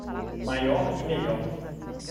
Maior e melhor